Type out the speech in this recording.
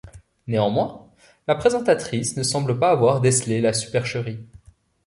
Néanmoins, la présentatrice ne semble pas avoir décelé la supercherie.